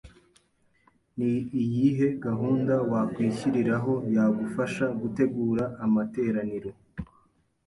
Ni iyihe gahunda wakwishyiriraho yagufasha gutegura amateraniro